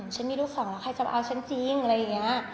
ฉันมีลูกสองแล้วใครจะมาเอาฉันจริงอะไรอย่างนี้